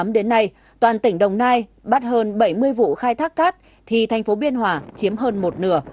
đến nay toàn tỉnh đồng nai bắt hơn bảy mươi vụ khai thác cát thì thành phố biên hòa chiếm hơn một nửa